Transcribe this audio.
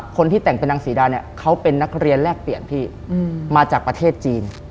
คนที่แต่งเป็นนางศรีดาเนี่ยเขาเป็นนักเรียนแลกเปลี่ยนพี่มาจากประเทศจีน